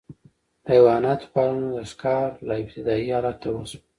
د حیواناتو پالنه د ښکار له ابتدايي حالته وشوه.